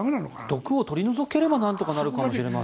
毒を取り除ければなんとかなるかもしれませんが。